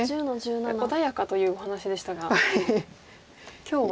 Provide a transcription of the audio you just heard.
穏やかというお話でしたが今日は。